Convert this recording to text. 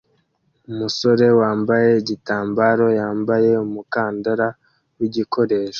Umusore wambaye igitambaro yambaye umukandara wigikoresho